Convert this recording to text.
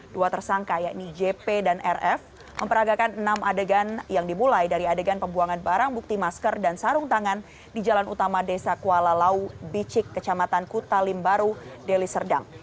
dua tersangka yakni jp dan rf memperagakan enam adegan yang dimulai dari adegan pembuangan barang bukti masker dan sarung tangan di jalan utama desa kuala lau bicik kecamatan kutalimbaru deli serdang